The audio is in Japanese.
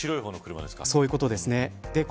そういうことですね。